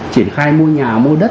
triển khai mua nhà mua đất